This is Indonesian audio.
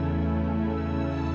terima kasih pak kamarang